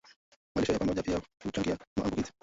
Malisho ya pamoja pia huchangia maambukizi